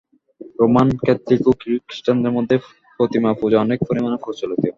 Roman Catholic ও Greek খ্রীষ্টানদের মধ্যে প্রতিমাপূজা অনেক পরিমাণে প্রচলিত।